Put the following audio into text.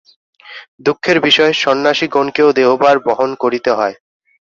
দুঃখের বিষয়, সন্ন্যাসিগণকেও দেহভার বহন করিতে হয়।